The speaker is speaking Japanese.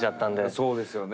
そうですよね。